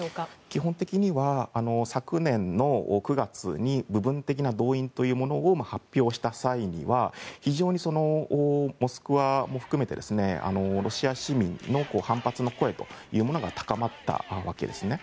基本的には昨年９月に部分的な動員を発表した際には非常にモスクワも含めてロシア市民の反発の声が高まったわけですね。